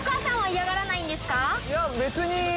いや別に。